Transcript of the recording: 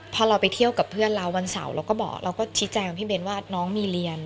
พอเราไปเที่ยวกับเพื่อนเราวันเสาร์เราก็บอกเราก็ชี้แจงกับพี่เบ้นว่าน้องมีเรียน